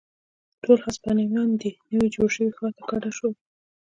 ټول هسپانویان دې نوي جوړ شوي ښار ته کډه شول.